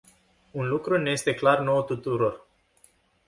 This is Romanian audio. Un lucru ne este clar nouă tuturor.